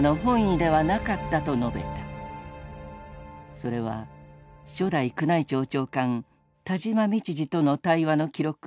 それは初代宮内庁長官田島道治との対話の記録